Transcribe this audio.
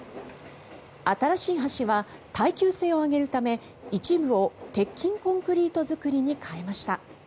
新しい橋は耐久性を上げるため一部を鉄筋コンクリート造りに変えました。